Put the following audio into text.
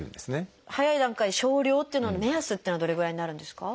早い段階で少量っていうのの目安というのはどれぐらいになるんですか？